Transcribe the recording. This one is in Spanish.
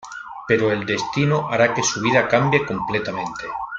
Pero el destino hará que su vida cambie completamente.